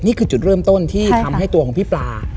นี่คือจุดเริ่มต้นที่ทำให้ตัวของพี่ปลา